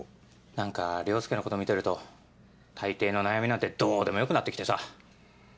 何か凌介のこと見てると大抵の悩みなんてどうでもよくなって来てさ。